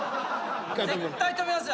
絶対跳べますよ。